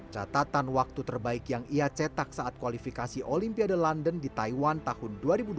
catatan waktu terbaik yang ia cetak saat kualifikasi olimpiade london di taiwan tahun dua ribu dua belas